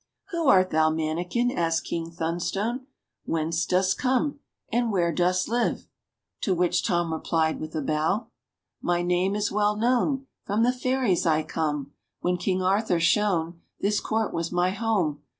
"Who art thou, mannikin.?" asked King Thunstone; "whence dost come ? And where dost live ?" To which Tom replied with a bow — "My name is well known. From the Fairies I come. When King Arthur shone. This Court was my home.